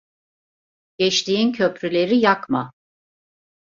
Geçtiğin köprüleri yakma.